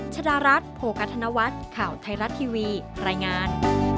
ชดารัฐโภคธนวัฒน์ข่าวไทยรัฐทีวีรายงาน